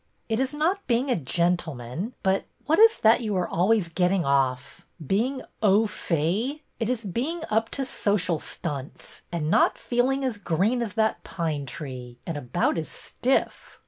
" It is not being a gentleman, but — what is that you are always getting off? Being au faitf It is being up to social stunts and not feeling as green as that pine tree and about as stiff."